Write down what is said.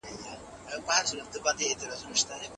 ډاکټر وویل چې توازن مهم دی.